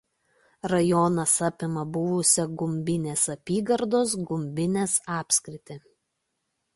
Rajonas apima buvusią Gumbinės apygardos Gumbinės apskritį.